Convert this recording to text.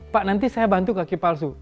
pak nanti saya bantu kaki palsu